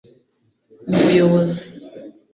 umuyobozi